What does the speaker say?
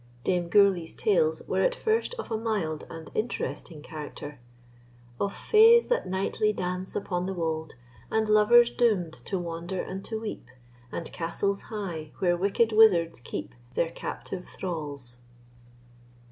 Dame Gourlay's tales were at first of a mild and interesting character— Of fays that nightly dance upon the wold, And lovers doom'd to wander and to weep, And castles high, where wicked wizards keep Their captive thralls.